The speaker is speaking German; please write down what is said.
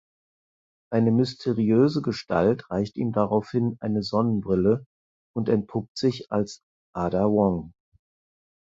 Eine mysteriöse Gestalt reicht ihm daraufhin eine Sonnenbrille und entpuppt sich als Ada Wong.